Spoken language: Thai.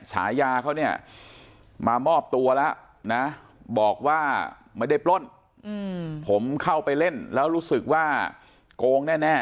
ฉายาเขาเนี่ยมามอบตัวแล้วนะบอกว่าไม่ได้ปล้นผมเข้าไปเล่นแล้วรู้สึกว่าโกงแน่